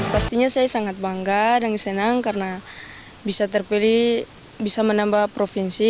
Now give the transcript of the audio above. pastinya saya sangat bangga dan senang karena bisa terpilih bisa menambah provinsi